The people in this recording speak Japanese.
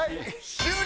終了！